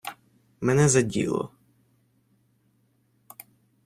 Мене за діло.